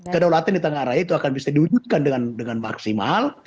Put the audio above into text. kedaulatan di tengah raya itu akan bisa diwujudkan dengan maksimal